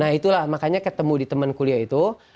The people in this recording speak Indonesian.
nah itulah makanya ketemu di temen kuliah itu